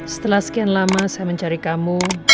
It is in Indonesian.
setelah sekian lama saya mencari kamu